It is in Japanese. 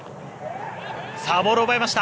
ボールを奪いました。